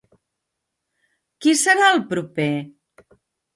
Qui serà el proper?